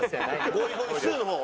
ゴイゴイスーの方？